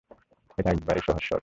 এটা একেবারে সহজ শট।